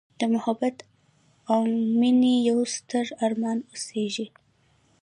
د محبت او میینې یوستر ارمان اوسیږې